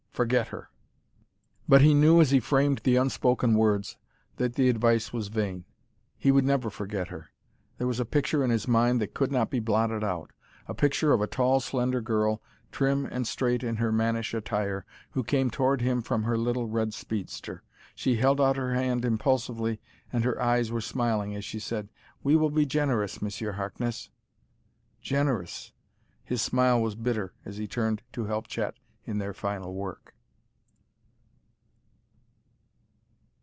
Forget her." But he knew, as he framed the unspoken words, that the advice was vain. He would never forget her. There was a picture in his mind that could not be blotted out a picture of a tall, slender girl, trim and straight in her mannish attire, who came toward him from her little red speedster. She held out her hand impulsively, and her eyes were smiling as she said; "We will be generous, Monsieur Harkness " "Generous!" His smile was bitter as he turned to help Chet in their final work.